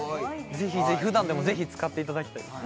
ふだんでもぜひ使っていただきたいです